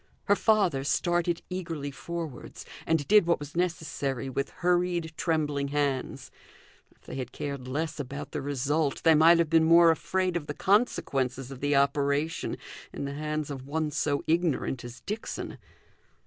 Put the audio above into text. Her father started eagerly forwards, and did what was necessary with hurried trembling hands. If they had cared less about the result, they might have been more afraid of the consequences of the operation in the hands of one so ignorant as Dixon.